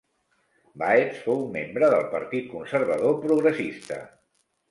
Baetz fou membre del Partit Conservador Progressista.